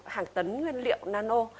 hàng tấn nguyên liệu nano